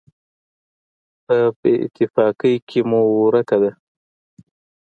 په بېاتفاقۍ کې مو ورکه ده.